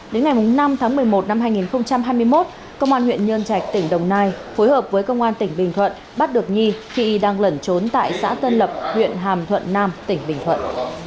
đến ngày năm tháng một mươi một năm hai nghìn hai mươi một công an huyện nhân trạch tỉnh đồng nai phối hợp với công an tỉnh bình thuận bắt được nhi khi đang lẩn trốn tại xã tân lập huyện hàm thuận nam tỉnh bình thuận